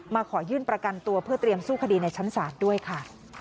ขอยื่นประกันตัวเพื่อเตรียมสู้คดีในชั้นศาลด้วยค่ะ